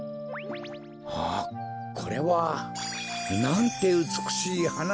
あっこれはなんてうつくしいはななんだ。